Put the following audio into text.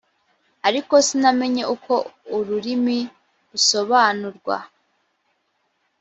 ariko sinamenye uko ururimi rusobanurwa .